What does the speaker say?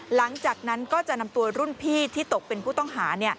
หลังจากนั้นก็จะนำตัวรุ่นพี่ที่ตกเป็นผู้ต้องหา